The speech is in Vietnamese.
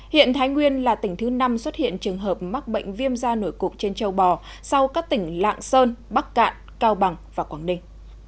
hiện thái nguyên là tỉnh thứ năm xuất hiện trường hợp mắc bệnh viêm da nổi cục trên châu bò sau các tỉnh lạng sơn bắc cạn cao bằng và quảng ninh